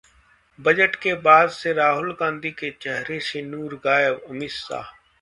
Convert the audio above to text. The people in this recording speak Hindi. बजट के बाद से राहुल गांधी के चेहरे से नूर गायब: अमित शाह